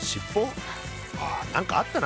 ああ何かあったな。